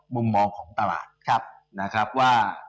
มุมมองของตลาดนะครับว่า